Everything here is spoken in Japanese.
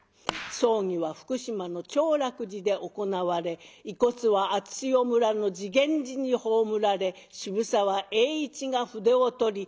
葬儀は福島の長楽寺で行われ遺骨は熱塩村の示現寺に葬られ渋沢栄一が筆を執り